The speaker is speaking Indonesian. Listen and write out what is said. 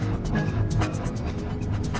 obah kita bernama muda